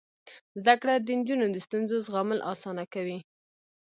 زده کړه د نجونو د ستونزو زغمل اسانه کوي.